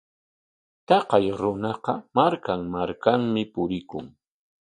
Taqay runaqa markan markanmi purikun.